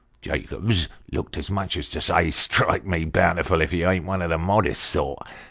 Jacobs looked as much as to say ' Strike me bountiful if you ain't one of the modest sort